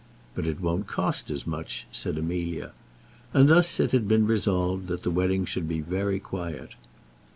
"But it won't cost as much," said Amelia. And thus it had been resolved that the wedding should be very quiet.